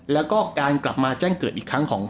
แล้วก็การกลับมาแจ้งเกิดอีกครั้งของ